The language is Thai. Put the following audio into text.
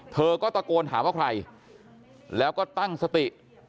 เธอก็ตะโกนถามว่าใครแล้วก็ตั้งสติ